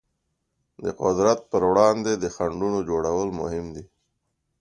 د قدرت پر وړاندې د خنډونو جوړول مهم دي.